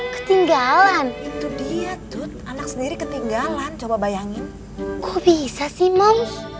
ketinggalan itu dia tuh anak sendiri ketinggalan coba bayangin kok bisa sih moms